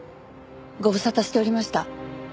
ご無沙汰しておりました。